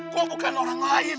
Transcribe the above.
gue bukan orang lain